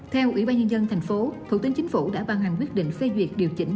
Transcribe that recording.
theo ủy ban nhân dân tp thủ tướng chính phủ đã bàn hàng quyết định phê duyệt điều chỉnh